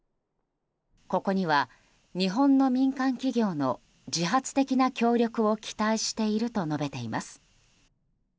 ここには、日本の民間企業の自発的な協力を期待していると述べています。